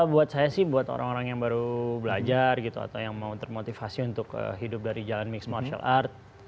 buat saya sih buat orang orang yang baru belajar gitu atau yang mau termotivasi untuk hidup dari jalan mixed martial art